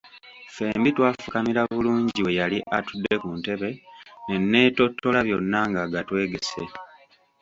Ffembi twafukamira bulungi we yali atudde ku ntebe ne neettottola byonna ng'agatwegese.